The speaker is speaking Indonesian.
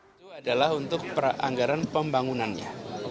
itu adalah untuk peranggaran pembangunannya